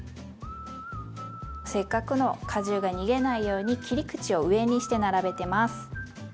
せっかくの果汁が逃げないように切り口を上にして並べてます。